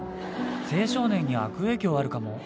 青少年に悪影響あるかも。